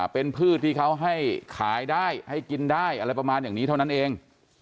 เป็นพืชที่เขาให้ขายได้ให้กินได้อะไรประมาณอย่างนี้เท่านั้นเอง